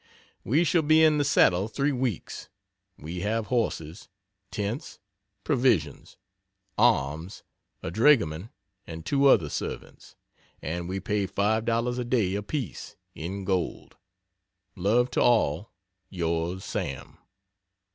We shall be in the saddle three weeks we have horses, tents, provisions, arms, a dragoman and two other servants, and we pay five dollars a day apiece, in gold. Love to all, yrs. SAM.